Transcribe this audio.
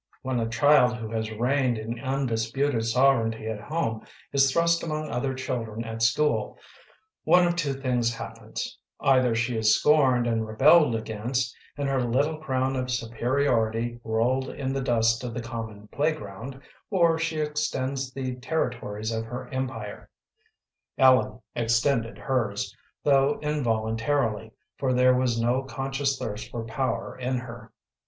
When a child who has reigned in undisputed sovereignty at home is thrust among other children at school, one of two things happens: either she is scorned and rebelled against, and her little crown of superiority rolled in the dust of the common playground, or she extends the territories of her empire. Ellen extended hers, though involuntarily, for there was no conscious thirst for power in her.